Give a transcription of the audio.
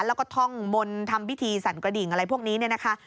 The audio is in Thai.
แล้วก็ท่องมนต์ทำพิธีสั่นกระดิ่งอะไรพวกนี้เนี่ยนะคะ